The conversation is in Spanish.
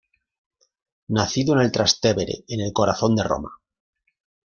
Nacido en el Trastevere, en el corazón de Roma.